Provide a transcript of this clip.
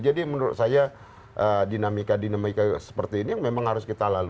jadi menurut saya dinamika dinamika seperti ini memang harus kita lalui